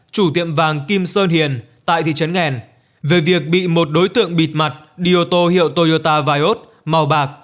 chủ tiệm vàng kim sơn hiền tại thị trấn nghèn về việc bị một đối tượng bịt mặt đi ô tô hiệu toyota viot màu bạc